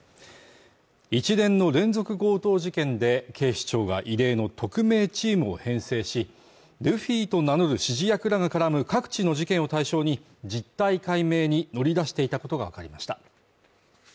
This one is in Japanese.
一連の連続強盗事件で、警視庁が異例の特命チームを編成しルフィと名乗る指示役らが絡む各地の事件を対象に実態解明に乗り出していたことがわかりました。